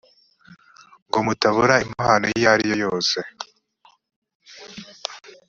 ngo mutabura impano iyo ari yo yose